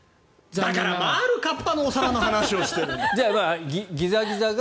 だから回る河童のお皿の話をしてるの！